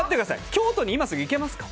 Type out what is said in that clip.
京都に今すぐ行けますか？